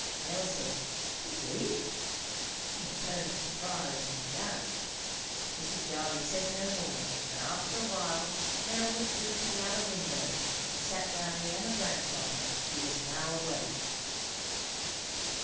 Nell said, "Indeed!" in a tone of surprise and doubt. Mrs. Jarley said no more, and after a while Nell withdrew to the other window and sat down near her grandfather, who was now awake.